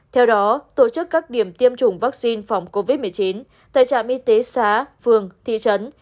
theo đó tổ chức các điểm tiêm chủng vaccine phòng covid một mươi chín tại trạm y tế xã phường thị trấn